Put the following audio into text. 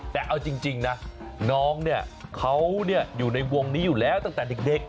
แต่เอาจริงนะน้องเนี่ยเขาอยู่ในวงนี้อยู่แล้วตั้งแต่เด็ก